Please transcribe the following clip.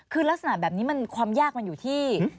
คือลักษณะแบบนี้ความยากมันอยู่ที่